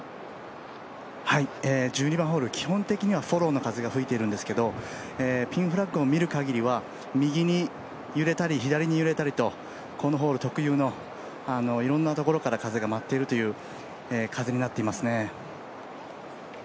１２番ホール、基本的にはフォローの風が吹いてるんですけどピンフラッグを見るかぎりは右に揺れたり左に揺れたりと、このホール特有のいろんなところから風が舞っているという風になっていますね。